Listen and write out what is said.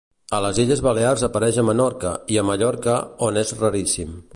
A les Illes Balears apareix a Menorca i a Mallorca, on és raríssim.